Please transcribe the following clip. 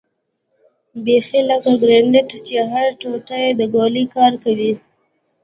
بيخي لکه ګرنېټ چې هره ټوټه يې د ګولۍ کار کوي.